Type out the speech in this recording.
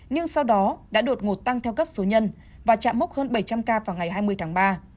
nhưng sau đó đã đột ngột tăng theo cấp số nhân và chạm mốc hơn bảy trăm linh ca vào ngày hai mươi tháng ba